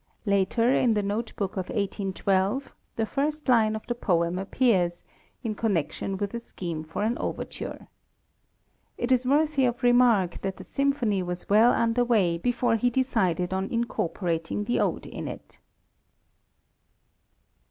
Later, in the note book of 1812, the first line of the poem appears, in connection with a scheme for an overture. It is worthy of remark that the Symphony was well under way before he decided on incorporating the Ode in it.